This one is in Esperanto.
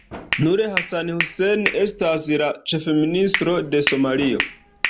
Nur Hassan Hussein estas la Ĉefministro de Somalio.